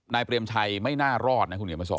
เปรมชัยไม่น่ารอดนะคุณเหนียวมาสอ